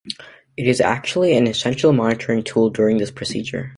It is actually an essential monitoring tool during this procedure.